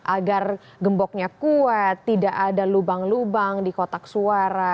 agar gemboknya kuat tidak ada lubang lubang di kotak suara